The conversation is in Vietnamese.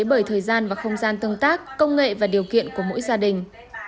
bởi thời gian và không gian tương tác công nghệ và điều kiện của mỗi gia đình